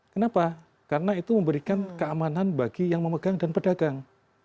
kenapa karena itu memberikan keamanan bagi yang memegang dan pedagang